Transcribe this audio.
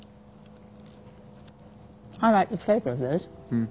うん。